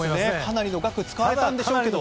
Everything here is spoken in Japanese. かなりの額を使われたんでしょうけど。